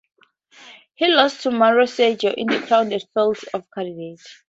He lost to Mario Sergio in a crowded field of candidates.